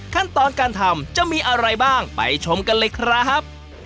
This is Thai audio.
ขั้นตอนการทำจะมีอะไรบ้างไปชมกันเลยครับ